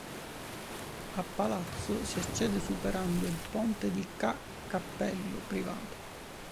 Al palazzo si accede superando il Ponte di Ca' Cappello, privato.